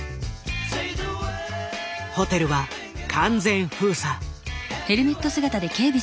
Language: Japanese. ホテルは完全封鎖。